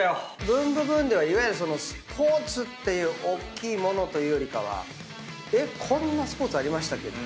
『ブンブブーン！』ではいわゆるスポーツっていうおっきいものというよりかはこんなスポーツありましたっけ？